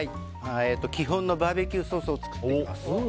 基本のバーベキューソースを作っていきます。